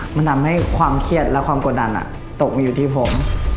มันทำให้ความเครียดและความกดดันตกมาอยู่ที่ผม